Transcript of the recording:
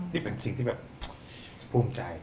นี่เป็นสิ่งที่แบบภูมิใจ